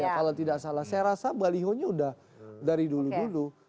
kalau tidak salah saya rasa balihonya sudah dari dulu dulu